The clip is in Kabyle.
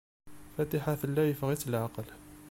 Fatiḥa tella yeffeɣ-itt leɛqel.